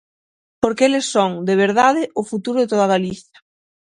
Porque eles son, de verdade, o futuro de toda Galicia.